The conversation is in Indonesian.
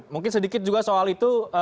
mungkin sedikit juga soal itu